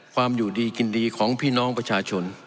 อยู่ดีกินดีของพี่น้องประชาชน